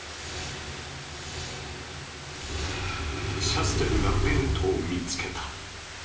シャステルがベートを見つけた。